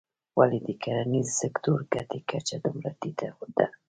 ولې د کرنیز سکتور ګټې کچه دومره ټیټه ده.